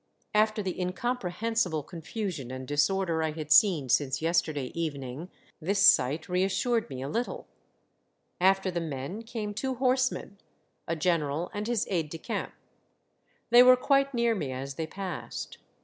After the incomprehensible confusion and disorder I had seen since yesterday evening, this sight reas sured me a little. After the men, came two horse At the Outposts, 103 men, — a general and his aide de camp. They were quite near me as they passed.